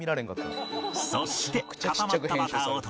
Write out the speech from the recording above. そして